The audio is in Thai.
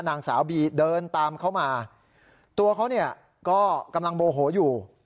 นางสาวบีเดินตามเขามาตัวเขาเนี่ยก็กำลังโมโหอยู่